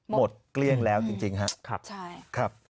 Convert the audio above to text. เกลี้ยงแล้วจริงครับ